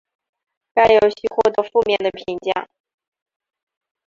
该游戏获得负面的评价。